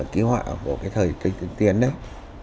ký họa của cái thời tình tiến đấy